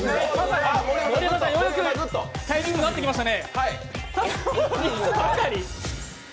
盛山さん、ようやくタイミングが合ってきましたね。